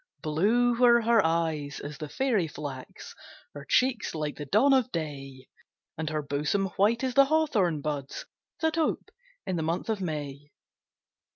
Blue were her eyes as the fairy flax, Her cheeks like the dawn of day, And her bosom white as the hawthorn buds, That ope in the month of May.